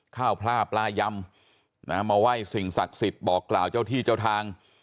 ข้าวพล่าปลายำมาไหว้สิ่งศักดิ์สิทธิ์บอกกล่าวเจ้าที่เจ้าทาง